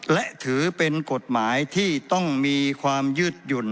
และถือเป็นกฎหมายที่ต้องมีความยืดหยุ่น